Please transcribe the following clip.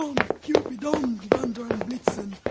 on, Cupid! on, Donder and Blitzen!